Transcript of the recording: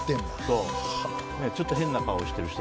ちょっと変な顔してる人。